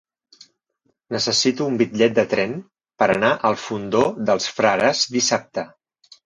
Necessito un bitllet de tren per anar al Fondó dels Frares dissabte.